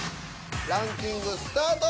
ランキングスタート！